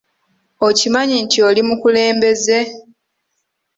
Okimanyi nti oli mukulembeze?